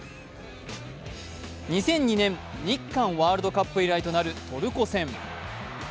２００２年、日韓ワールドカップ以来となるトルコ戦。